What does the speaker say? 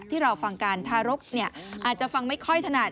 ที่เราฟังการทารกอาจจะฟังไม่ค่อยถนัด